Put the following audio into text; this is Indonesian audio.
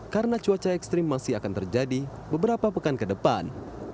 karena cuaca ekstrim masih akan terjadi beberapa pekan ke depan